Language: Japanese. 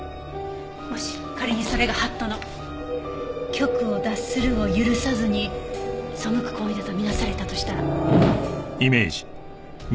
もし仮にそれが法度の「局ヲ脱スルヲ不許」に背く行為だと見なされたとしたら。